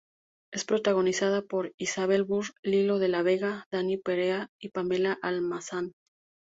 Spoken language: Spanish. Es protagonizada por Isabel Burr, Lilo de la Vega, Danny Perea y Pamela Almanza.